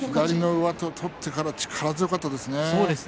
上手を取ってから力強かったですね。